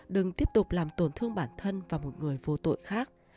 đừng tiếp tục làm tổn thương bản thân và một người vô tội khác